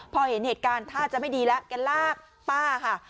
พอเห็นเหตุการณ์ท่าจะไม่ดีแล้วแกลากป้าค่ะ